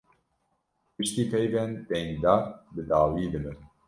Piştî peyvên dengdar bi dawî dibin.